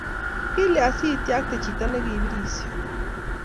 Kilyan siityakte chito ne kiborisyo?